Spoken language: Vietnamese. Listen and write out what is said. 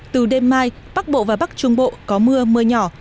từ đêm mai bắc bộ và bắc trung bộ có mưa mưa nhỏ